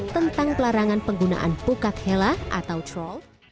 tentang pelarangan penggunaan pukak hela atau troll